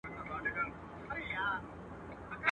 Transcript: غوټه چي په لاس خلاصېږي، غاښ ته حاجت نسته.